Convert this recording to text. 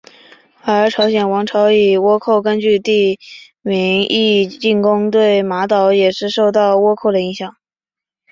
而朝鲜王朝以倭寇根据地名义进攻对马岛也是受到倭寇的影响。